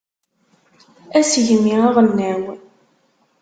Asegmi aɣelnaw.